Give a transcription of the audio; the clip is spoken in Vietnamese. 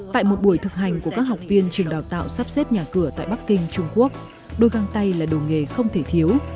tại một buổi thực hành của các học viên trường đào tạo sắp xếp nhà cửa tại bắc kinh trung quốc đôi găng tay là đồ nghề không thể thiếu